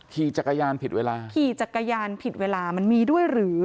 ขี่จักรยานผิดเวลาขี่จักรยานผิดเวลามันมีด้วยหรือ